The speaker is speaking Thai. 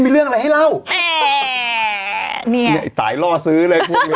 เนี่ยตายล่อซื้อเลยพวกนี้